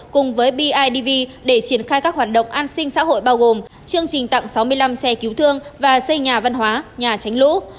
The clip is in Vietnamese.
cùng với bidv để triển khai các hoạt động an sinh xã hội bao gồm chương trình tặng sáu mươi năm xe cứu thương và xây nhà văn hóa nhà tránh lũ